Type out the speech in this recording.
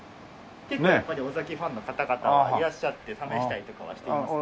やっぱり尾崎ファンの方々がいらっしゃって試したりとかはしていますね。